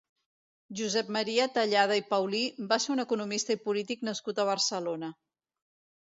Josep Maria Tallada i Paulí va ser un economista i polític nascut a Barcelona.